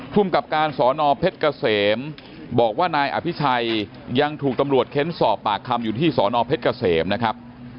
กับการสอนอเพชรเกษมบอกว่านายอภิชัยยังถูกตำรวจเค้นสอบปากคำอยู่ที่สอนอเพชรเกษมนะครับ